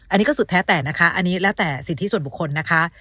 อันนี้ก็สุดแท้แต่นะคะอันนี้แล้วแต่สิทธิส่วนบุคคลนะคะ